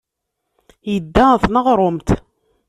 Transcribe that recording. Yedda ɣer tneɣrumt.